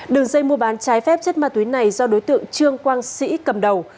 đường dây mua bán trái phép chất ma túy này do đối tượng trương quang sĩ cầm đầu